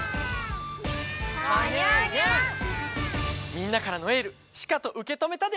みんなからのエールしかとうけとめたである！